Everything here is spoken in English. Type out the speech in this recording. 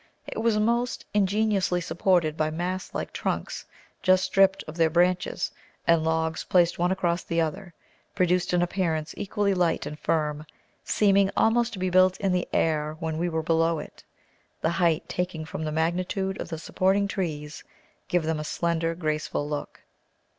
It was most ingeniously supported by mast like trunks, just stripped of their branches; and logs, placed one across the other, produced an appearance equally light and firm, seeming almost to be built in the air when we were below it, the height taking from the magnitude of the supporting trees give them a slender graceful look.